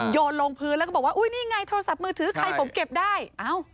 โยนลงพื้นแล้วก็บอกว่าอุ้ยนี่ไงโทรศัพท์มือถือใครผมเก็บได้เอ้า